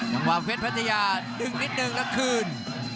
จังหว่าเฟสพัฒนาดึงนิดนึงแล้วคืน